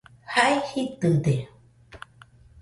Jae jitɨde